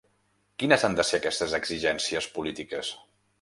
Quines han de ser aquestes exigències polítiques?